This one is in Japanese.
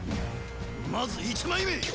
まず１枚目！